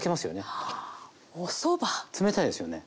冷たいですよね。